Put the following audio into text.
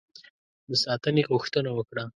د ساتنې غوښتنه وکړه.